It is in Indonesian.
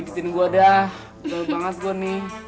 jajan bebek jagoan jagoan